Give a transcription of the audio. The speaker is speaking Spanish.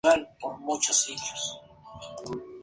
La ciudad está habitada por asirios, árabes, kurdos y armenios.